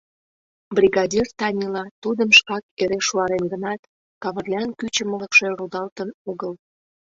Бригадир Танила тудым шкак эре шуарен гынат, Кавырлян кӱчымылыкшӧ рудалтын огыл.